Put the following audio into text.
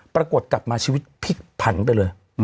ปรากฏกลับมาชีวิตพลิกผันไปเลย